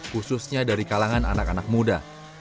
khususnya dari kalangan anak anak muda